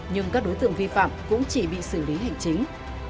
nhưng các đối tượng vi phạm cũng chỉ bị xử lý hành chính